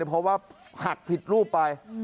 เพราะว่าหักผิดรูปไป